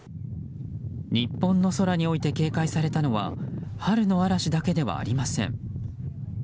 日本の空において警戒されたのは春の嵐だけではありません。